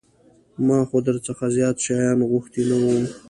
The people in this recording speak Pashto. ما خو در څخه زيات شيان غوښتي نه وو.